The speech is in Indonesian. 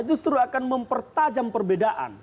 justru akan mempertajam perbedaan